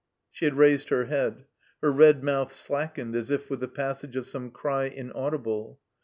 She had raised her head. Her red mouth slackened as if with the passage of some cry inaudible.